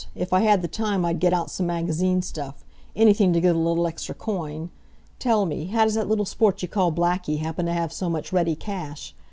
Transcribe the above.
If I had the time I'd get out some magazine stuff. Anything to get a little extra coin. Tell me, how does that little sport you call Blackie happen to have so much ready cash?